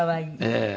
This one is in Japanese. ええ。